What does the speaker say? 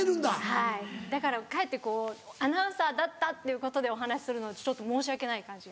はいだからかえって「アナウンサーだった」っていうことでお話しするのちょっと申し訳ない感じが。